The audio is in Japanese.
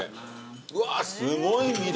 うわすごい緑。